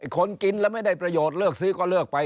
คนกินแล้วไม่ได้ประโยชน์เลิกซื้อก็เลิกไป